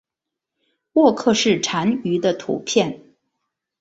沃克氏蟾鱼的图片